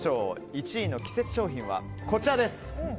１位の季節商品はこちらです。